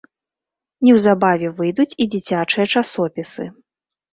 Неўзабаве выйдуць і дзіцячыя часопісы.